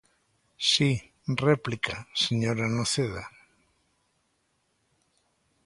Si, réplica, señora Noceda.